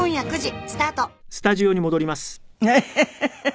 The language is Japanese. フフフフ。